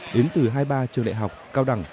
đến từ hai mươi ba trường đại học cao đẳng